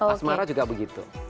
asmara juga begitu